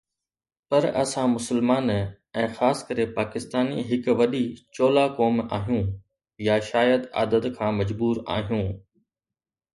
پر اسان مسلمان ۽ خاص ڪري پاڪستاني هڪ وڏي چولا قوم آهيون، يا شايد عادت کان مجبور آهيون